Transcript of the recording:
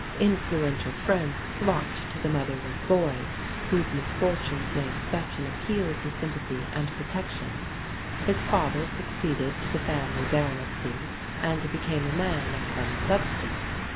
Influential friends flocked to the motherless boy, whose misfortunes made such an appeal to sympathy and protection. His father succeeded to the family baronetcy and became a man of some substance.